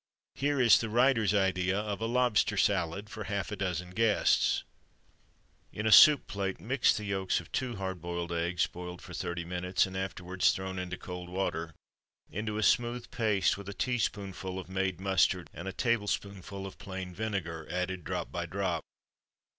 Here is the writer's idea of a Lobster Salad for half a dozen guests: In a soup plate, mix the yolks of two hard boiled eggs boiled for thirty minutes, and afterwards thrown into cold water into a smooth paste with a teaspoonful of made mustard, and a tablespoonful of plain vinegar, added drop by drop.